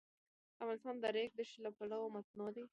افغانستان د د ریګ دښتې له پلوه متنوع دی.